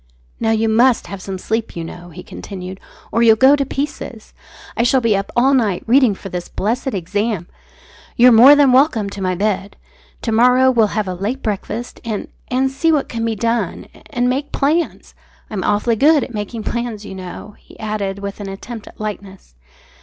"Now you must have some sleep, you know," he continued, "or you'll go to pieces. I shall be up all night reading for this blessed exam. You're more than welcome to my bed. To morrow we'll have a late breakfast and and see what can be done and make plans I'm awfully good at making plans, you know," he added with an attempt at lightness.